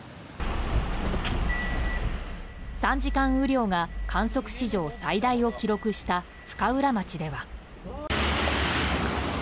３時間雨量が観測史上最大を記録した深浦町では。